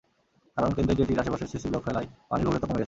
কারণ, কেন্দ্রের জেটির আশপাশে সিসি ব্লক ফেলায় পানির গভীরতা কমে গেছে।